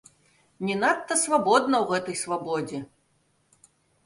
Не надта свабодна у гэтай свабодзе.